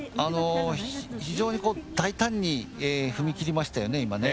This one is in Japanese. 非常に大胆に踏み切りましたよね、今ね。